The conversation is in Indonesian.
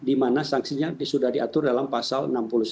isinya sudah diatur dalam pasal enam puluh satu